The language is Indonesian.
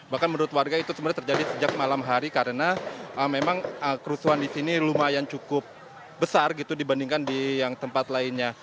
bahkan menurut warga itu sebenarnya terjadi sejak malam hari karena memang kerusuhan di sini lumayan cukup besar gitu dibandingkan di yang tempat lainnya